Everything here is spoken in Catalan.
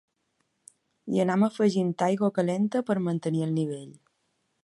Hi anem afegint aigua calent per mantenir el nivell.